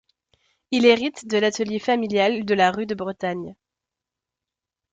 Il hérite de l'atelier familial de la rue de Bretagne.